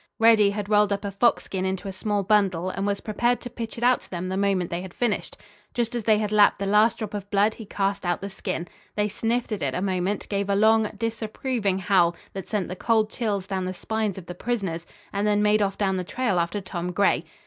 Reddy had rolled up a fox skin into a small bundle, and was prepared to pitch it out to them the moment they had finished. Just as they had lapped the last drop of blood, he cast out the skin. They sniffed at it a moment, gave a long, disapproving howl, that sent the cold chills down the spines of the prisoners, and then made off down the trail after Tom Gray.